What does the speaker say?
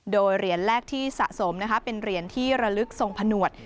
โดยเหรียญแรกที่สะสมเป็นเหรียญที่ระลึกทรงผนวด